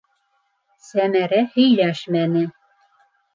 Сәмәрә һөйләшмәне.